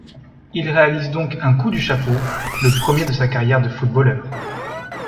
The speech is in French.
Il réalise donc un coup du chapeau, le premier de sa carrière de footballeur.